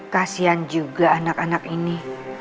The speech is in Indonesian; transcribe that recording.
kasian juga anak anak ini